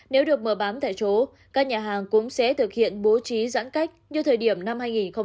nếu được mở bán tại chỗ các nhà hàng cũng sẽ thực hiện bố trí giãn cách như thời điểm năm hai nghìn hai mươi